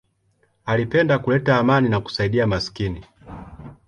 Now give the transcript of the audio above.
Alipenda kuleta amani na kusaidia maskini.